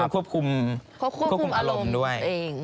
ควบคุมอารมณ์ด้วย